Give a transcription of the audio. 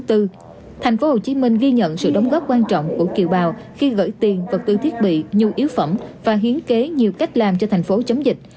tp hcm ghi nhận sự đóng góp quan trọng của kiều bào khi gởi tiền vật tư thiết bị nhu yếu phẩm và hiến kế nhiều cách làm cho thành phố chống dịch